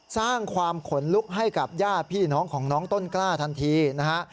สร้างความขนลุกให้กับญาติพี่น้องของน้องต้นกล้าทันทีนะฮะ